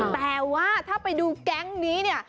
แต่ว่าถ้าไปดูแก๊งนี้เนี่ย